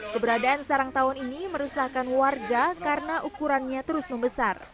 keberadaan sarang tawon ini meresahkan warga karena ukurannya terus membesar